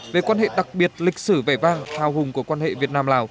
về quan hệ đặc biệt lịch sử vẻ vang thao hùng của quan hệ việt nam lào